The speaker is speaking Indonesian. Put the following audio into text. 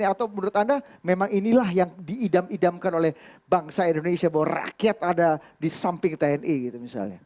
atau menurut anda memang inilah yang diidam idamkan oleh bangsa indonesia bahwa rakyat ada di samping tni gitu misalnya